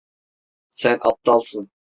Sen aptalsın.